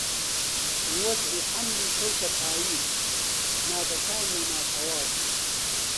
وەزعی حەملی کەوتە پاییز نابەکام و ناتەواو